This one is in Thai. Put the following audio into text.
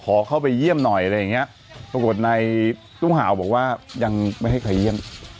ขอเข้าไปเยี่ยมหน่อยอะไรอย่างเงี้ยปรากฏในตู้ห่าวบอกว่ายังไม่ให้ใครเยี่ยม